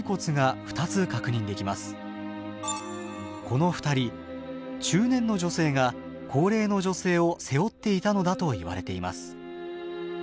この２人中年の女性が高齢の女性を背負っていたのだといわれています。